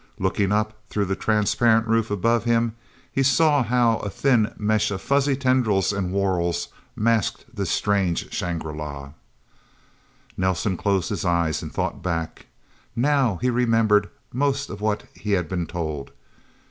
Looking up through the transparent roof above him, he saw how a thin mesh of fuzzy tendrils and whorls masked this strange Shangri la. Nelsen closed his eyes, and thought back. Now he remembered most of what he had been told.